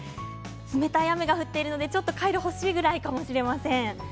冷たい雨が降っているのでちょっとカイロが欲しいくらいかもしれません。